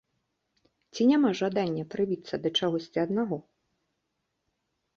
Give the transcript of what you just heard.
Ці няма жадання прыбіцца да чагосьці аднаго?